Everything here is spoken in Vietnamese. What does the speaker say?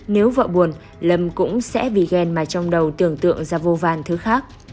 nếu vợ buồn lâm cũng sẽ vì ghen mà trong đầu tưởng tượng ra vô van thứ khác